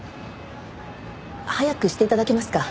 早くして頂けますか？